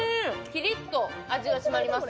キリッと味が締まります。